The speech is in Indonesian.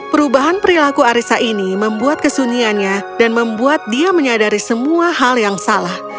perubahan perilaku arissa ini membuat kesunyiannya dan membuat dia menyadari semua hal yang salah